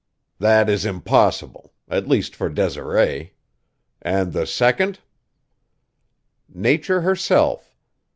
"That is impossible at least, for Desiree. And the second?" "Nature herself.